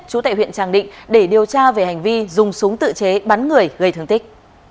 chú tệ huyện tràng định để điều tra về hành vi dùng súng tự chế bắn người gây thương tích